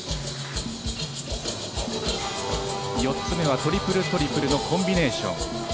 ４つ目はトリプルトリプルのコンビネーション。